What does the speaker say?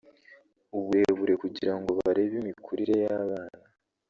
uburebure kugirango barebe imikurire y’abana